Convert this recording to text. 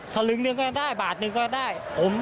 สลึงหนึ่งก็ได้บาทหนึ่งก็ได้